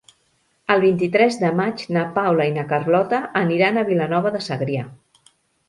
El vint-i-tres de maig na Paula i na Carlota aniran a Vilanova de Segrià.